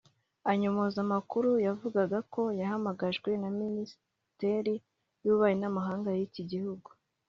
anyomoza amakuru yavugaga ko yahamagajwe na Minisiteri y’Ububanyi n’Amahanga y’iki gihugu